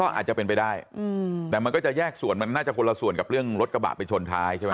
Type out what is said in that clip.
อาจจะเป็นไปได้แต่มันก็จะแยกส่วนมันน่าจะคนละส่วนกับเรื่องรถกระบะไปชนท้ายใช่ไหม